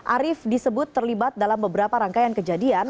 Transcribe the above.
arief disebut terlibat dalam beberapa rangkaian kejadian